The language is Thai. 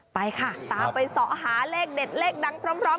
ไปค่ะตามไปสอหาเลขเด็ดเลขดังพร้อม